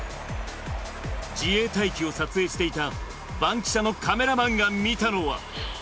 自衛隊機を撮影していたバンキシャのカメラマンが見たのは。